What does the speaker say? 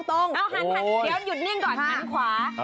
เอาหันเดี๋ยวหยุดนิ่งก่อนหันขวา